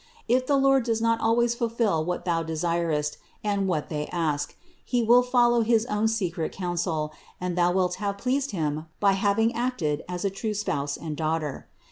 If the Lord does not always fulfill what thou desirest and what they ask, He will follow his own secret counsel, and thou wilt have pleased Him by having acted as a true spouse and daughter.